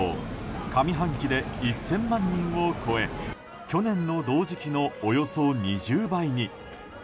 上半期で１０００万人を超え去年の同時期のおよそ２０倍に。